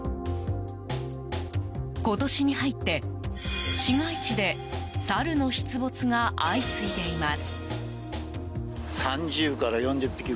今年に入って市街地でサルの出没が相次いでいます。